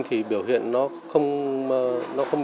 thì biểu hiện nó không